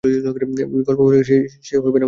বিল্বন কহিলেন, সে হইবে না মহারাজ।